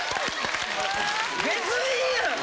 別人やん！